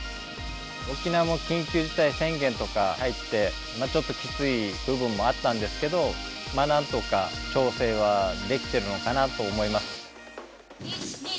沖縄も緊急事態宣言とか入ってちょっときつい部分もあったんですけどなんとか調整はできているのかなと思います。